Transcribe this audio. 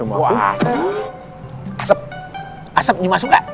asap asap mau masuk gak